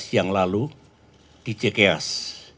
yang lalu di cks